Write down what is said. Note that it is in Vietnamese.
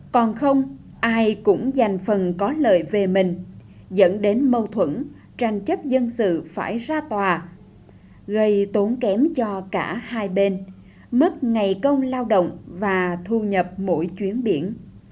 còn không ai cũng dành phần có lợi về mình dẫn đến mâu thuẫn tranh chấp dân sự phải ra tòa gây tốn kém cho cả hai bên mất ngày công lao động và thu nhập mỗi chuyến biển